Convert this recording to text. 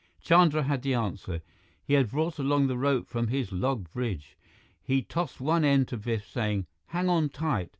Chandra had the answer. He had brought along the rope from his log bridge. He tossed one end to Biff, saying, "Hang on tight!"